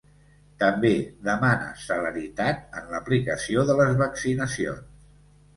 També demana celeritat en l’aplicació de les vaccinacions.